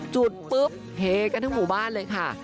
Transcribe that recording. จุดปุ๊บเฮกันทั้งหมู่บ้านเลยค่ะ